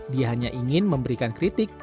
dia hanya ingin memberikan kritik